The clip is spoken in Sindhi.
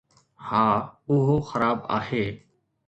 ها، اهو خراب آهي